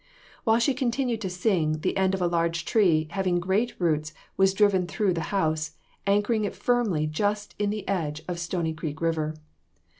While she continued to sing, the end of a large tree, having great roots, was driven through the house, anchoring it firmly just in the edge of Stony Creek River.